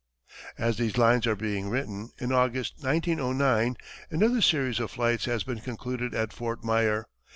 As these lines are being written, in August, 1909, another series of flights has been concluded at Fort Myer.